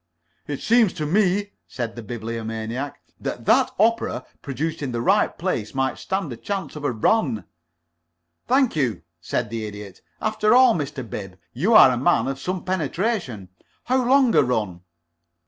"It seems to me," said the Bibliomaniac, "that that opera produced in the right place might stand a chance of a run." "Thank you," said the Idiot. "After all, Mr. Bib, you are a man of some penetration. How long a run?"